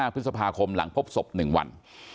พฤษภาคมหลังพบศพ๑วัน